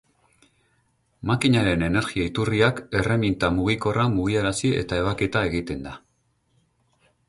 Makinaren energia-iturriak erreminta mugikorra mugiarazi eta ebaketa egiten da.